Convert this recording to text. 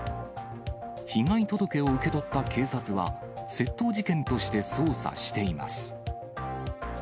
被害届を受け取った警察は、窃盗事件として捜査しています。